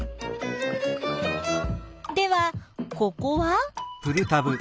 ではここは？